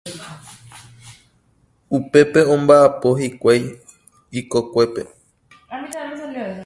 Upépe omba'apo hikuái ikokuépe.